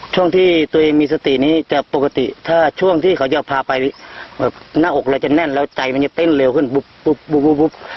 ช่วงที่ตัวเองมีสตินี้จะปกติถ้าช่วงที่เขาจะพาไปแบบหน้าอกเราจะแน่นแล้วใจมันจะเต้นเร็วขึ้นปุ๊บ